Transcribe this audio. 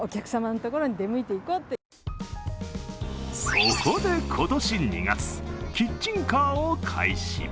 そこで今年２月、キッチンカーを開始。